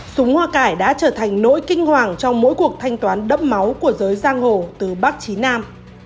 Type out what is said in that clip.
súng hoa cải đã trở thành nỗi kinh hoàng trong mỗi cuộc thanh toán đẫm máu của giới giang hồ từ bắc chí nam